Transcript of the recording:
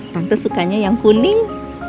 tante sukanya yang kuning